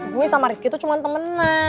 gue sama rifki tuh cuman temenan